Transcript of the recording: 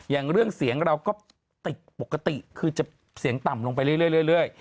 อย่างเรื่องเสียงเราก็ติดปกติคือจะเสียงต่ำลงไปเรื่อย